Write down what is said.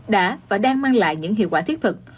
đã và đang mang lại những hiệu quả thiết thực